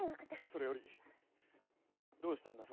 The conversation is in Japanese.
それよりどうしたんだ